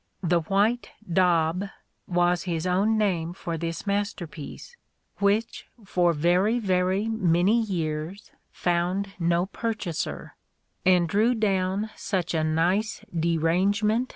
The white daub" was his own name for this masterpiece, which for very very many years found no purchaser, and drew down such ''a nice derangement of epitaphs" ECCE ANCILLA DOMINI.